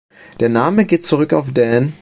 Der Name geht zurück auf dän.